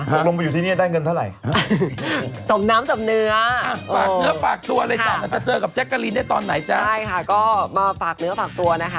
ตกลงไปอยู่ที่นี่ได้เงินเท่าไหร่